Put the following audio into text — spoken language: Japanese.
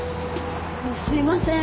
すいません。